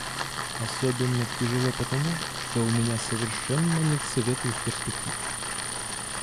Особенно тяжело потому, что у меня совершенно нет светлых перспектив.